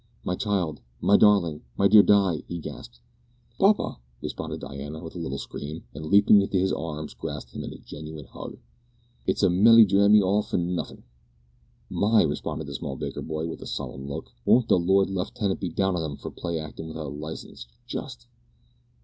"My child! my darling! my dear Di!" he gasped. "Papa!" responded Diana, with a little scream, and, leaping into his arms, grasped him in a genuine hug. "Oh! I say," whispered the small butcher, "it's a melly drammy all for nuffin!" "My!" responded the small baker, with a solemn look, "won't the Lord left tenant be down on 'em for play actin' without a licence, just!"